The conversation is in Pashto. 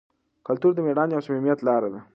کلتور د مېړانې او صمیمیت لاره ده.